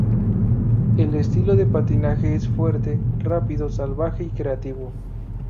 El estilo de patinaje es fuerte, rápido, salvaje y creativo.